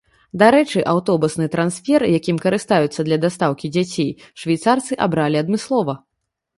Дарэчы, аўтобусны трансфер, якім карыстаюцца для дастаўкі дзяцей, швейцарцы абралі адмыслова.